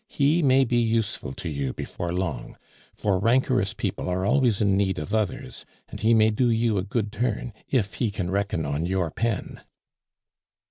He may be useful to you before long; for rancorous people are always in need of others, and he may do you a good turn if he can reckon on your pen."